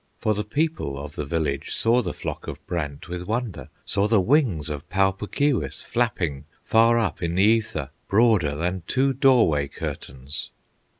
For the people of the village Saw the flock of brant with wonder, Saw the wings of Pau Puk Keewis Flapping far up in the ether, Broader than two doorway curtains.